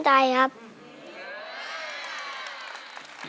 ใช่ครับ